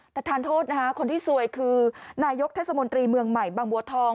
แต่ทานโทษนะคะคนที่ซวยคือนายกเทศมนตรีเมืองใหม่บางบัวทอง